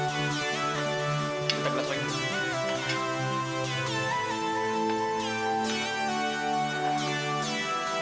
kita belas lagi